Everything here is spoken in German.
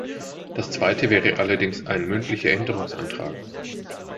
Das zweite wäre allerdings ein mündlicher Änderungsantrag.